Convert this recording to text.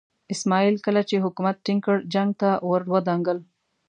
اسماعیل کله چې حکومت ټینګ کړ جنګ ته ور ودانګل.